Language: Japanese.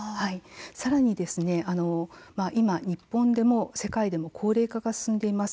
さらに今、日本でも世界でも高齢化が進んでいます。